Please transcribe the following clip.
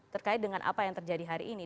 terkait dengan apa yang terjadi hari ini